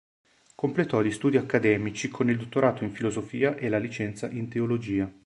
Completò gli studi accademici con il dottorato in filosofia e la licenza in teologia.